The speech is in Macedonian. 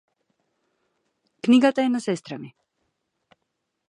Книгата е на сестра ми.